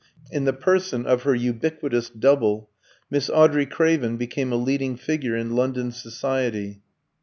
In the person of her ubiquitous double, Miss Audrey Craven became a leading figure in London society.